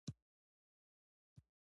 مرغان چې په پنجرو کې پیدا شي فکر کوي.